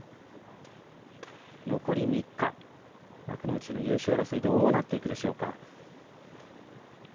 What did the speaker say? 残り３日、幕内の優勝争いどうなっていくでしょうか。